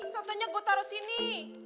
sotonya gue taruh sini